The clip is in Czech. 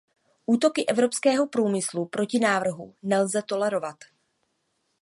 Útoky evropského průmyslu proti návrhům nelze tolerovat.